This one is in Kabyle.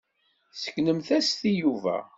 Seknemt-as-t i Yuba.